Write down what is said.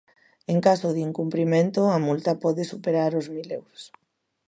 En caso de incumprimento, a multa pode superar os mil euros.